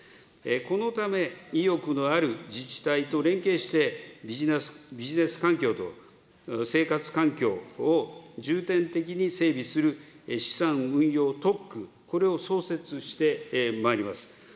このため、意欲のある自治体と連携して、ビジネス環境と生活環境を重点的に整備する資産運用特区、これを創設してまいります。